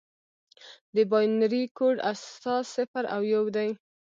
د بایونري کوډ اساس صفر او یو دی.